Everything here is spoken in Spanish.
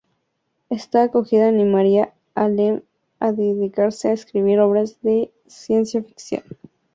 Esta acogida animaría a Lem a dedicarse a escribir obras de ciencia ficción.